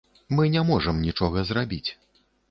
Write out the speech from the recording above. Мы не можам нічога зрабіць.